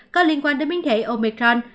có liên quan đến biến thể omicron